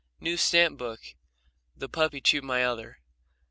New stamp book. (The puppy chewed my other.)